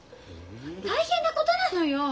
大変なことなのよ！